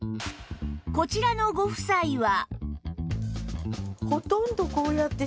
こちらのご夫妻は